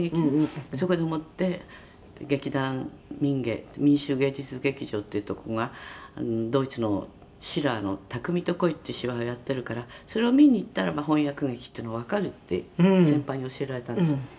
「そこでもって劇団民藝民衆芸術劇場っていうところがドイツのシラーの『たくみと恋』っていう芝居をやってるからそれを見に行ったらば翻訳劇っていうのがわかるって先輩に教えられたんですよ」